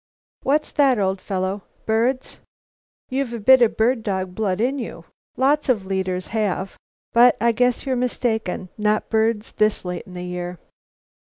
"What's that, old fellow? Birds? You've a bit of bird dog blood in you. Lots of leaders have, but I guess you're mistaken. Not birds this late in the year."